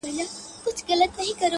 هغې ته هر څه بند ښکاري او فکر ګډوډ وي,